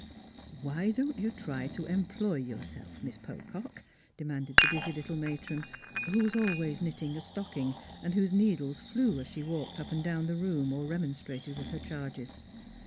" Why don't you try to employ yourself. Miss Pocock," de manded the busy little matron, who was always knitting a stocking, and whose needles flew as she walked up and down the room or remonstrated with her charges.